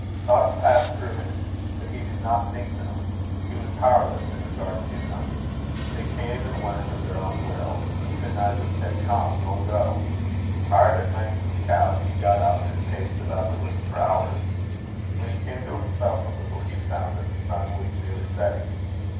Thoughts passed through him, but he did not think them. He was powerless in regard to them. They came and went of their own will: he could neither say come nor go. Tired at length of the couch, he got up and paced about the room for hours. When he came to himself a little, he found that the sun was nearly setting.